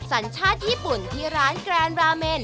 สัญชาติญี่ปุ่นที่ร้านแกรนราเมน